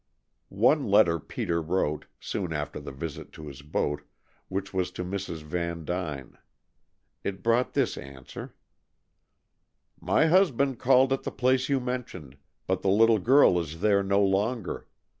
One letter Peter wrote, soon after the visit to his boat, which was to Mrs. Vandyne. It brought this answer: "My husband called at the place you mentioned, but the little girl is there no longer.